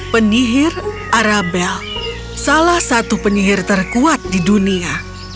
penyihir arabel salah satu penyihir terkuat di dunia